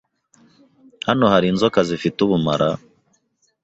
Hano hari inzoka zifite ubumara?